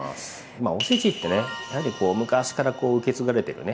まあおせちってねやはりこう昔からこう受け継がれてるね